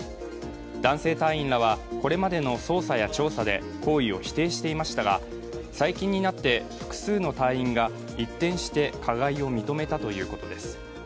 男性隊員らは、これまでの捜査や調査で行為を否定していましたが最近になって複数の隊員が一転して、加害を認めたということです。